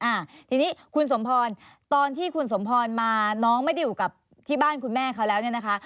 อ่าทีนี้คุณสมพรตอนที่คุณสมพรมาน้องไม่ได้อยู่กับที่บ้านคุณแม่เขาแล้วเนี่ยนะคะ